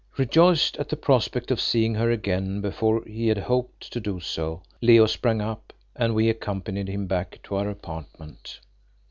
Rejoiced at the prospect of seeing her again before he had hoped to do so, Leo sprang up and we accompanied him back to our apartment.